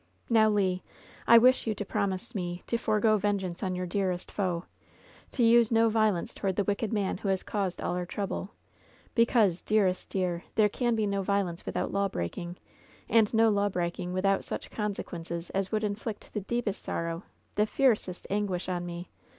"Now, Le, I wish you to promise me to forego venge ance on your ^dearest foe.^ To use no violence to ward the wicked man who has caused all our trouble; because, dearest dear, there can be no violence without lawbreaking, and no lawbreaking without such conse quences as would inflict the deepest sorrow, the fiercest anguish on me.